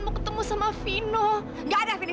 dia tetap ada disini